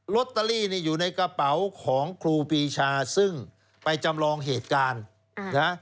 ลอตเตอรี่นี่อยู่ในกระเป๋าของครูปีชาซึ่งไปจำลองเหตุการณ์นะ